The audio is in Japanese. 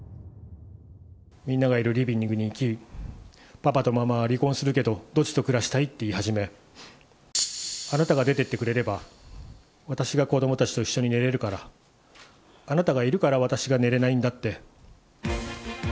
みんながいるリビングに行き、パパとママは離婚するけど、どっちと暮らしたい？って言い始め、あなたが出ていってくれれば、私が子どもたちと一緒に寝れるから、あなたがいるから私が寝れないんだって。